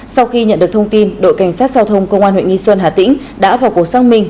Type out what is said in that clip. sau khi nhận được thông tin đội cảnh sát giao thông công an huyện nghi xuân hà tĩnh đã vào cuộc xác minh